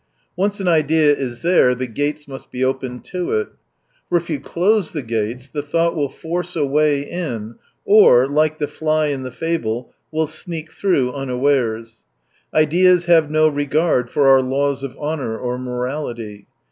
Once an idea is there, the gates must be opened to it. For if you close the gates, the thought will force a way in, or, like the fly in the fable, will sneak through unawares. Ideas have no regard for our laws of honour or morality.